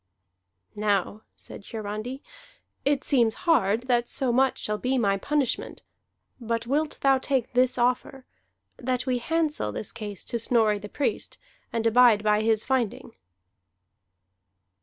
"Now," said Hiarandi, "it seems hard that so much shall be my punishment. But wilt thou take this offer, that we handsel this case to Snorri the Priest, and abide by his finding?"